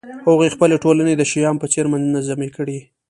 هغوی خپلې ټولنې د شیام په څېر منظمې کړې